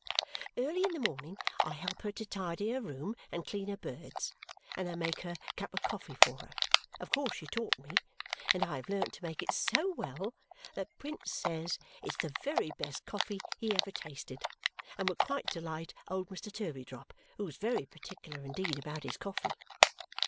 Early in the morning I help her to tidy her room and clean her birds, and I make her cup of coffee for her (of course she taught me), and I have learnt to make it so well that Prince says it's the very best coffee he ever tasted, and would quite delight old Mr. Turveydrop, who is very particular indeed about his coffee.